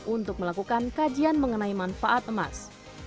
untuk melakukan kajian mengenai manfaat emas